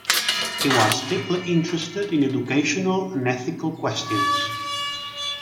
He was deeply interested in educational and ethical questions.